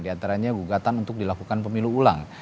diantaranya gugatan untuk dilakukan pemilu ulang